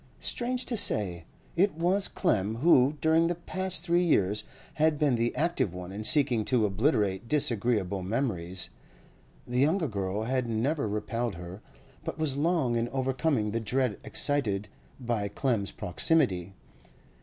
Strange to say, it was Clem who, during the past three years, had been the active one in seeking to obliterate disagreeable memories. The younger girl had never repelled her, but was long in overcoming the dread excited by Clem's proximity.